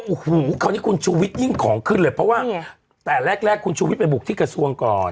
อุโหค่อนข้างนี้อย่างของขึ้นเลยเพราะว่าแต่แรกแรกมันไปบุกที่กระสวงก่อน